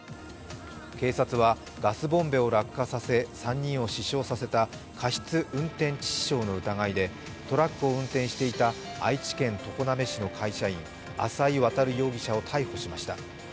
警察はガスボンベを落下させ、３人を死傷させた過失運転致死傷の疑いでトラックを運転していた愛知県常滑市の会社員、浅井渉容疑者を逮捕しました。